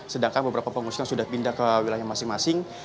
sedangkan beberapa pengungsi yang sudah pindah ke wilayah masing masing